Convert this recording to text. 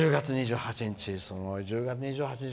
１０月２８日